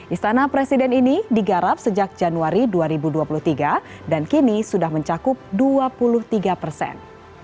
istana presiden ini digarap sejak januari dua ribu dua puluh tiga dan kini sudah mencakup dua puluh tiga persen